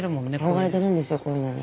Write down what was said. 憧れてるんですよこういうのに。